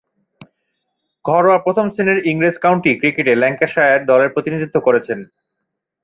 ঘরোয়া প্রথম-শ্রেণীর ইংরেজ কাউন্টি ক্রিকেটে ল্যাঙ্কাশায়ার দলের প্রতিনিধিত্ব করেছেন।